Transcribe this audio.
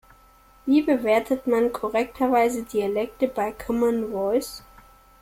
Wie bewertet man korrekterweise Dialekte bei Common Voice?